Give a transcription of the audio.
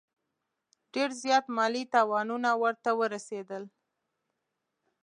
ډېر زیات مالي تاوانونه ورته ورسېدل.